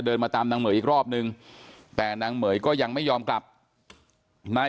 มาตามนางเหมยอีกรอบนึงแต่นางเหม๋ยก็ยังไม่ยอมกลับนาย